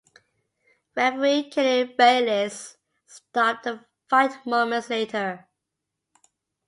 Referee Kenny Bayless stopped the fight moments later.